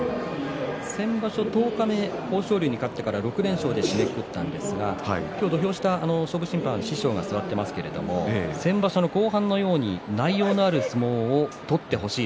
先場所、十日目に豊昇龍に勝って６連勝で締めくくったんですが今日、勝負審判で師匠が座っていますが先場所の後半のように内容のある相撲を取ってほしい。